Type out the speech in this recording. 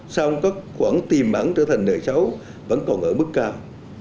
sau đó có khoản tiềm bản trở thành nợ sáu vẫn còn ở mức cao